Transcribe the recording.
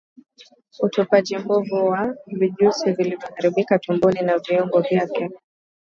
Utupaji mbovu wa vijusi vilivyoharibikia tumboni na viungo vyake